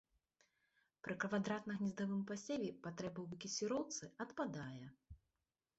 Пры квадратна-гнездавым пасеве патрэба ў букеціроўцы адпадае.